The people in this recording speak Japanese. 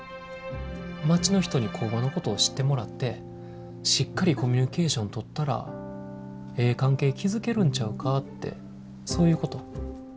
町の人に工場のことを知ってもらってしっかりコミュニケーション取ったらええ関係築けるんちゃうかってそういうこと？